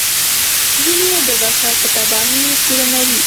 ځینې یې د بشر په تباهي تورنوي.